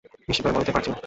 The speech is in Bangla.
নিশ্চিতভাবে বলতে পারছি না।